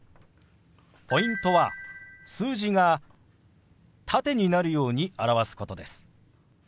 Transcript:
ポイントは数字が縦になるように表すことです。